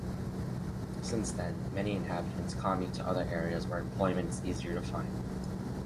Since then, many inhabitants commute to other areas where employment is easier to find.